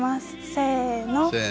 せの。